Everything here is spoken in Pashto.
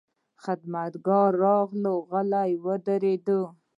خدمتګار راغی، غلی ودرېد.